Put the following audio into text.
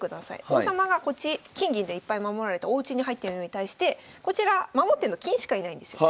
王様がこっち金銀でいっぱい守られたおうちに入ってるのに対してこちら守ってんの金しかいないんですよ。